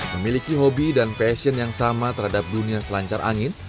memiliki hobi dan passion yang sama terhadap dunia selancar angin